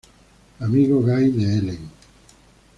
Amigo gay de Ellen.